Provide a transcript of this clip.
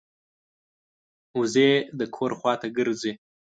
وزې د کور خوا ته ګرځي